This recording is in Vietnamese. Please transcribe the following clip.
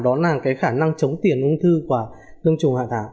đó là khả năng chống tiền ung thư của đông trùng hạ thảo